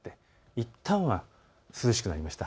いったんは涼しくなりました。